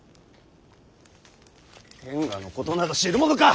天下のことなど知るものか！